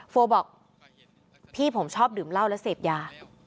โบบอกพี่ผมชอบดื่มเหล้าและเสพยา